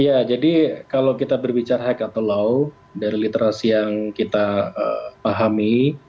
ya jadi kalau kita berbicara high atau law dari literasi yang kita pahami